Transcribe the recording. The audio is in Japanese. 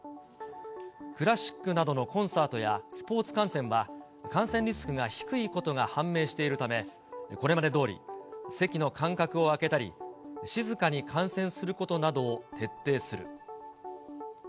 クラシックなどのコンサートやスポーツ観戦は、感染リスクが低いことが判明しているため、これまでどおり、席の間隔を空けたり、静かに観戦することなどを徹底する。